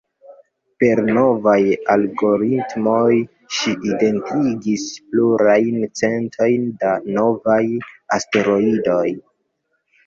Per novaj algoritmoj ŝi identigis plurajn centojn da novaj asteroidoj.